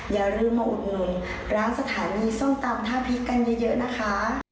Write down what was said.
อย่าลืมมาอุดหนุนร้านสถานีส้มตำท่าพริกกันเยอะนะคะ